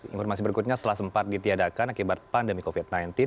informasi berikutnya setelah sempat ditiadakan akibat pandemi covid sembilan belas